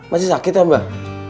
masih sakit ya mbah